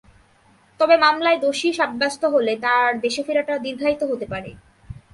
তবে মামলায় দোষী সাব্যস্ত হলে তাঁর দেশে ফেরাটা দীর্ঘায়িত হতে পারে।